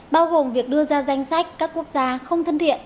bao gồm việc đưa ra danh sách các quốc gia không thân thiện